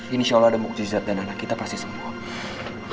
insya allah ada mukjizat dan anak kita pasti semua